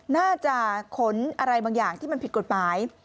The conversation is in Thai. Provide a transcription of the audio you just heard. น่าจะขนอะไรบางอย่างที่มันผิดกฎหมาย